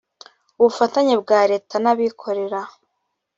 ubufatanye bwa leta n abikorera